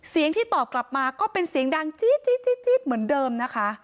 เสียงที่ตอบกลับมาก็เป็นเสียงดังจี๊ดเหมือนเดิมนะคะ